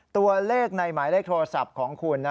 ตัวเลขในหมายเลขโทรศัพท์ของคุณ